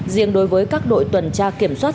riêng đối với các đội tuần tra kiểm soát